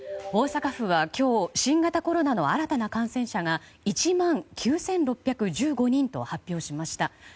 大阪府は今日新型コロナの新たな感染者が１万９６１５人と発表しました。